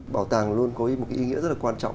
bảo tàng luôn có một cái ý nghĩa rất là quan trọng